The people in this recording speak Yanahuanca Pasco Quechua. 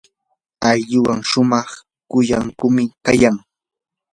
ayllua shumaq kuyakuqmi kayan.